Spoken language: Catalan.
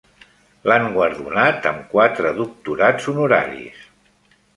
L'han guardonat amb quatre doctorats honoraris.